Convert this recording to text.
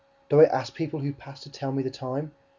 Do I ask people who pass to tell me the time?